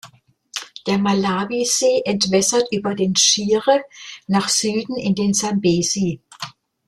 Der Malawisee entwässert über den Shire nach Süden in den Sambesi.